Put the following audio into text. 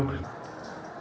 cũng như vậy